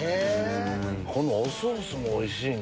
このおソースもおいしいな。